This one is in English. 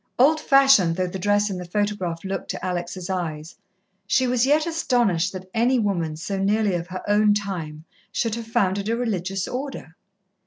Old fashioned though the dress in the photograph looked to Alex' eyes, she was yet astonished that any woman so nearly of her own time should have founded a religious Order.